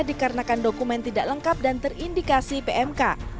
dikarenakan dokumen tidak lengkap dan terindikasi pmk